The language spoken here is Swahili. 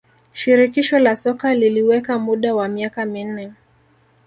shirikisho la soka liliweka muda wa miaka minne